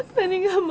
nani gak mau